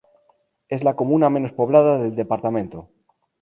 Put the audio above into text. Es la comuna menos poblada del departamento.